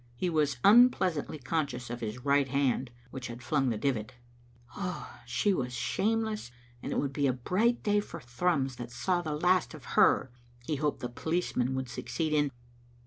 He was unpleasantly conscious of his right hand, which had flung the divit. Ah, she was shameless, and it would be a bright day for Thrums that saw the last of hef. He hoped the policemen would succeed in